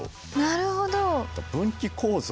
なるほど！